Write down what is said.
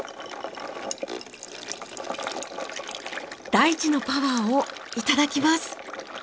大地のパワーを頂きます！